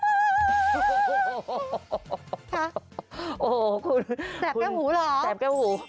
ค่ะโอ้คุณแสบแก้วหูเหรอแสบแก้วหู